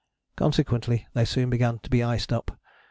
Consequently they soon began to be iced up.